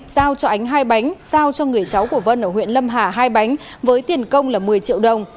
giao cho ánh hai bánh giao cho người cháu của vân ở huyện lâm hà hai bánh với tiền công là một mươi triệu đồng